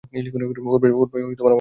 ওর ভাই আমার বার্তাবাহক ছিল।